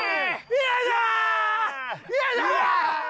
よいしょ！